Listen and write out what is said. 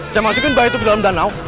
saya masukin buah itu ke dalam danau